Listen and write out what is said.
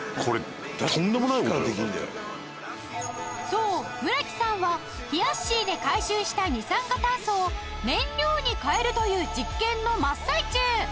そう村木さんはひやっしーで回収した二酸化炭素を燃料に変えるという実験の真っ最中！